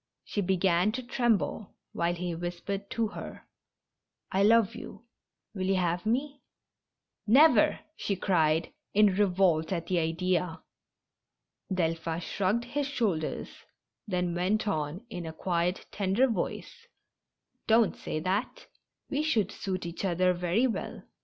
She began to tremble, while he whispered to her: " I love you. Will you have me ?" "Never! " she cried, in revolt at the idea. Delphin shrugged his shoulders, then went on in a quiet, tender voice: "Don't say that.